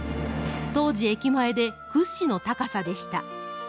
当時、駅前で屈指の高さでした。